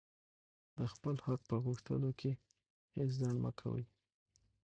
د خپل حق په غوښتلو کښي هېڅ ځنډ مه کوئ!